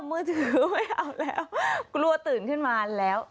มือถือไม่เอาแล้วกลัวตื่นขึ้นมาแล้ว